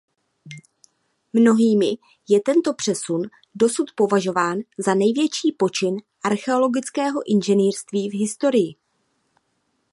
Mnohými je tento přesun dosud považován za největší počin archeologického inženýrství v historii.